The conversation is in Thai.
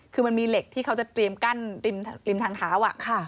คือมันมีเหล็กที่เขาจะเตรียมกั้นริมทางเท้า